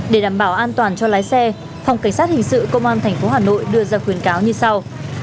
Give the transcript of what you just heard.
để đảm bảo an toàn cho lái xe phòng cảnh sát hình sự công an tp hà nội đưa ra khuyến cáo như sau